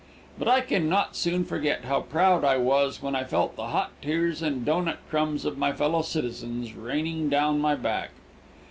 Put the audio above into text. But I can not soon forget how proud I was when I felt the hot tears and doughnut crumbs of my fellow citizens raining down my back.